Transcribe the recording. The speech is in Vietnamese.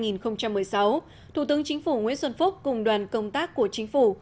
năm hai nghìn một mươi sáu thủ tướng chính phủ nguyễn xuân phúc cùng đoàn công tác của chính phủ